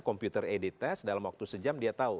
komputer add test dalam waktu sejam dia tahu